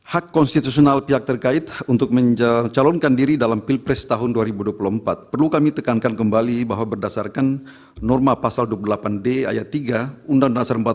hak konstitusional pihak terkait untuk mencalonkan diri dalam pilpres tahun dua ribu dua puluh empat perlu kami tekankan kembali bahwa berdasarkan norma pasal dua puluh delapan d ayat tiga undang undang dasar empat puluh lima